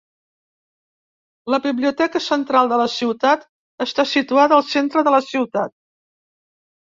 La biblioteca central de la ciutat està situada al centre de la ciutat.